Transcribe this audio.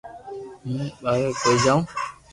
ھون ٻاري ڪوئي جاو